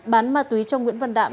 bán ma túy cho nguyễn văn đạm